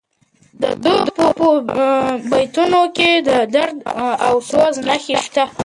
د ده په بیتونو کې د درد او سوز نښې شته.